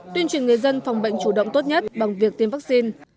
tuyên truyền người dân phòng bệnh chủ động tốt nhất bằng việc tiêm vaccine